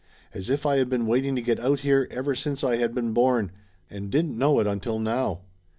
As if I had been waiting to get out here ever since I had been born, and didn't know it until now.